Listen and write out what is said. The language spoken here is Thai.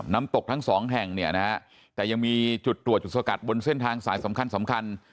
น้ำตกทั้ง๒แห่งแต่ยังมีจุดตรวจจุดสกัดบนเส้นทางสายสำคัญ